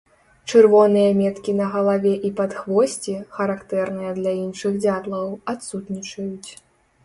Чырвоныя меткі на галаве і падхвосці, характэрныя для іншых дзятлаў, адсутнічаюць.